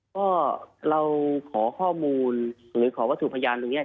ก็เราขอข้อมูลหรือขอวัตถุพยานตรงนี้